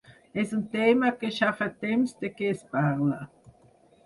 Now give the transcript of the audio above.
És un tema que ja fa temps de què es parla.